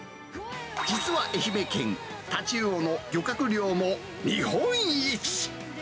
実は愛媛県、太刀魚の漁獲量も日本一。